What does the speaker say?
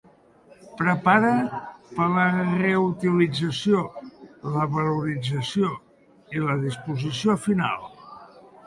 Prepara per a la reutilització, la valorització i la disposició final.